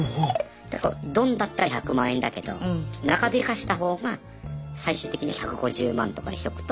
「どん」だったら１００万円だけど長引かせたほうが最終的に１５０万とかにしとくと。